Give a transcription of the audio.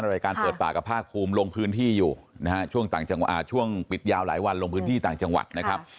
รายการเปิดปากกับภาคภูมิลงพื้นที่อยู่นะฮะช่วงปิดยาวหลายวันลงพื้นที่ต่างจังหวัดนะครับ